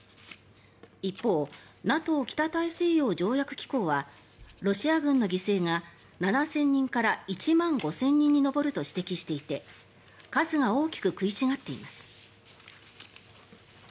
一方ＮＡＴＯ・北大西洋条約機構はロシア軍の犠牲が７０００人から１万５０００人に上ると指摘していて数が大きく食い違っています。